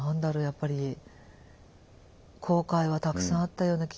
やっぱり後悔はたくさんあったような気がしますよね